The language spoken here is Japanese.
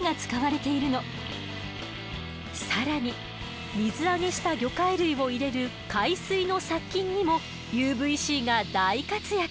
更に水揚げした魚介類を入れる海水の殺菌にもＵＶーＣが大活躍！